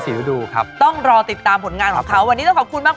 เดียวก็ก็คงจะมีงานมาให้คนด้านนี้เห็นกันครับ